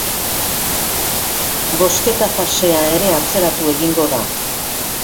Bozketa-fasea ere atzeratu egingo da.